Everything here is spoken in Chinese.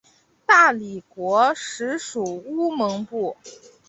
大理国时属乌蒙部。